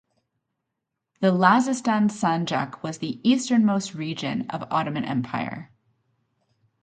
The Lazistan sanjak was the easternmost region of Ottoman Empire.